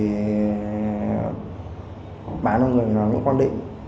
để bán cho người đó cũng phong định